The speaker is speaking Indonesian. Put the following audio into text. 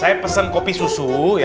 saya pesen kopi susu